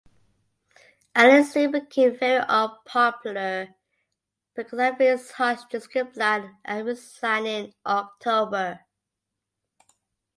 Allen soon became very unpopular because of his harsh discipline and resigned in October.